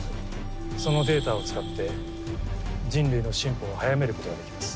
そのデータを使って人類の進歩を早めることができます。